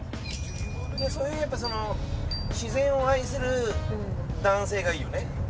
そういうやっぱ自然を愛する男性がいいよね？